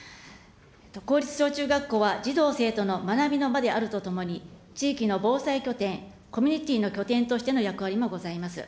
公立小中学校は児童・生徒の学びの場であるとともに、地域の防災拠点、コミュニティの拠点としての役割もございます。